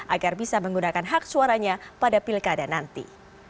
agar bisa menggunakan hak suaranya pada pilkada nanti